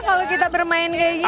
kalau kita bermain kayak gini